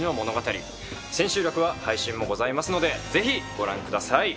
千秋楽は配信もございますのでぜひご覧ください！